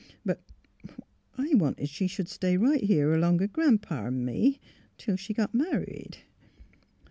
But — I wanted she should stay right here along o' Gran 'pa an' me — till she got married."